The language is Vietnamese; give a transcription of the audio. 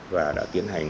và đã tiến hành